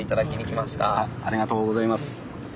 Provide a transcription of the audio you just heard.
ありがとうございます。